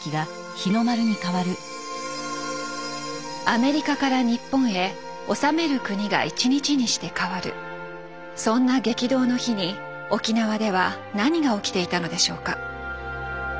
アメリカから日本へ治める国が１日にして変わるそんな激動の日に沖縄では何が起きていたのでしょうか？